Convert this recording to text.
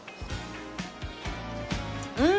うん！